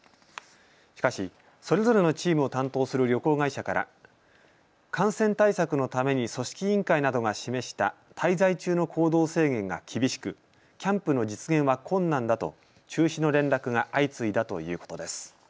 しかし、それぞれのチームを担当する旅行会社から感染対策のために組織委員会などが示した滞在中の行動制限が厳しくキャンプの実現は困難だと中止の連絡が相次いだということです。